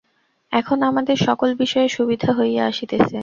এখন আমাদের সকল বিষয়ে সুবিধা হইয়া আসিতেছে।